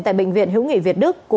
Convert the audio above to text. tại bệnh viện hữu nghị việt đức